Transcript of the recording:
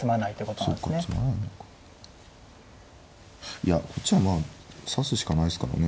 いやこっちはまあ指すしかないですからね。